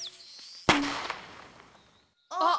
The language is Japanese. あっ。